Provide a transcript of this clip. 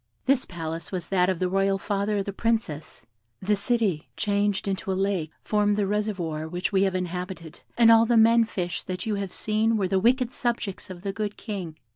This palace was that of the royal father of the Princess: the city, changed into a lake, formed the reservoir which we have inhabited, and all the men fish that you have seen were the wicked subjects of that good King.